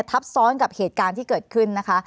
ทับซ้อนกับเหตุการณ์ที่เกิดขึ้นนะคะ